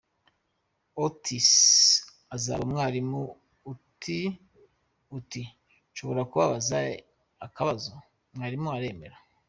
Otis abaza mwarimu ati ”Nshobora kukubaza akabazo ?“ Mwarimu aremera.